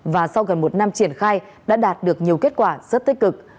và sau gần một năm triển khai đã đạt được nhiều kết quả rất tích cực